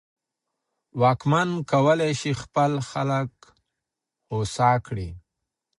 واکمن کولای سي خپل خلګ هوسا کړي.